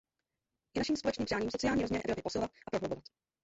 Je naším společným přáním sociální rozměr Evropy posilovat a prohlubovat.